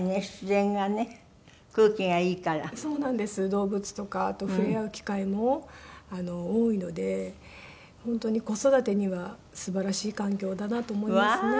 動物とかと触れ合う機会も多いので本当に子育てにはすばらしい環境だなと思いますね。